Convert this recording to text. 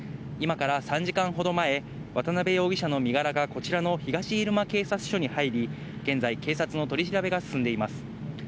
今から３時間ほど前、渡辺容疑者の身柄はこちらの東入間警察署に入り、現在、警察の取り調べが進んでいます。